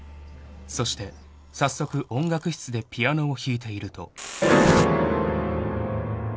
［そして早速音楽室でピアノを弾いていると］